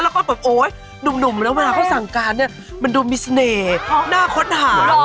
แล้วก็แบบโอ๊ยหนุ่มแล้วเวลาเขาสั่งการเนี่ยมันดูมีเสน่ห์น่าค้นหา